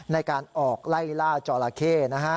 ในการออกไล่ล่าจอราเข้นะฮะ